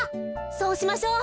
そうしましょう。